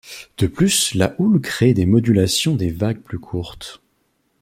De plus la houle crée des modulations des vagues plus courtes.